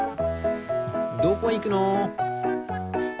どこいくの？